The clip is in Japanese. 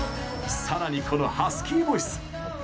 さらに、このハスキーボイス。